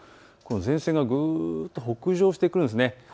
前線がぐっと北上してくるんです。